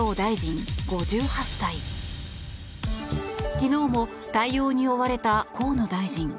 昨日も対応に追われた河野大臣。